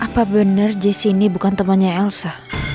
apa benar jis ini bukan temannya elsa